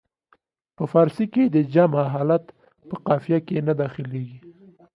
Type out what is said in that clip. په فارسي کې د جمع حالت په قافیه کې نه داخلیږي.